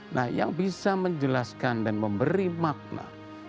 nah yang bisa menjelaskan dan memberi makna